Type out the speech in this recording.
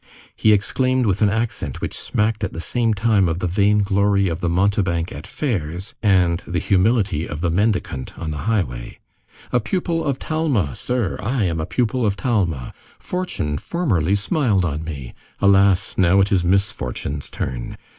He exclaimed with an accent which smacked at the same time of the vainglory of the mountebank at fairs, and the humility of the mendicant on the highway:— "A pupil of Talma! Sir! I am a pupil of Talma! Fortune formerly smiled on me—Alas! Now it is misfortune's turn.